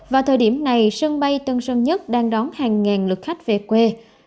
vào thời điểm này sân bay tân sơn nhất đang đón hàng ngàn lượt khách về quê